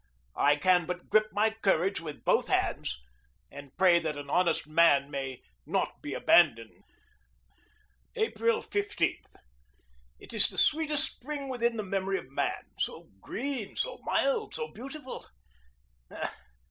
I can but grip my courage with both hands, and pray that an honest man may not be abandoned. April 10. It is the sweetest spring within the memory of man. So green, so mild, so beautiful!